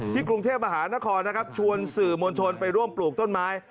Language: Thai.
กรุงเทพมหานครนะครับชวนสื่อมวลชนไปร่วมปลูกต้นไม้